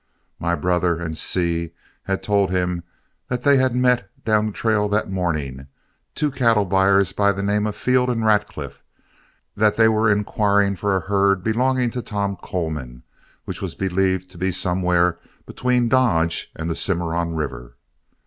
My brother and Seay had told him that they had met, down the trail that morning, two cattle buyers by the name of Field and Radcliff; that they were inquiring for a herd belonging to Tom Coleman, which was believed to be somewhere between Dodge and the Cimarron River.